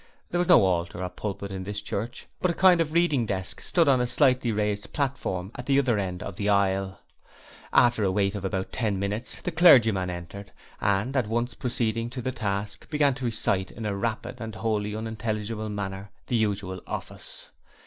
There was no altar or pulpit in this church, but a kind of reading desk stood on a slightly raised platform at the other end of the aisle. After a wait of about ten minutes, the clergyman entered and, at once proceeding to the desk, began to recite in a rapid and wholly unintelligible manner the usual office.